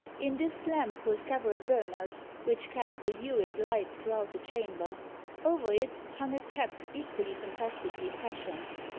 In this lamp were several burners, which cast a lurid light throughout the chamber. Over it hung a cap equally fantastically fashioned.